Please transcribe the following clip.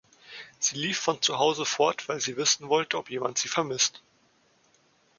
Sie lief von zu Hause fort, weil sie wissen wollte, ob jemand sie vermisst.